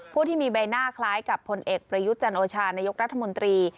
ผู้ที่มีใบหน้าคล้ายกับผลเอกประยุทธ์จันโอชานายกรัฐมนตรี